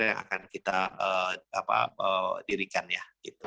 yang akan kita dirikan ya